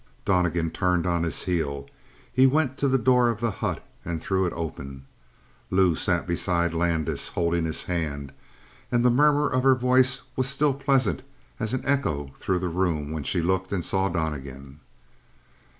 Donnegan turned on his heel. He went to the door of the hut and threw it open. Lou sat beside Landis holding his hand, and the murmur of her voice was still pleasant as an echo through the room when she looked and saw Donnegan.